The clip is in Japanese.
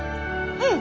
うん！